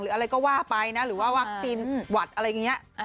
อะไรก็ว่าไปนะหรือว่าวัคซีนหวัดอะไรอย่างนี้